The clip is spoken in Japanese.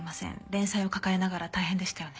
連載を抱えながら大変でしたよね。